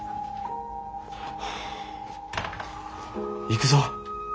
行くぞ。